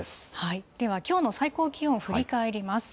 ではきょうの最高気温、振り返ります。